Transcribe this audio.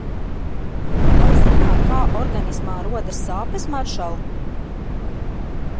Vai zināt, kā organismā rodas sāpes, maršal?